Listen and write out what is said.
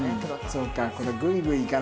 そうか。